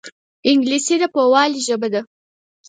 انګلیسي د یووالي ژبه ده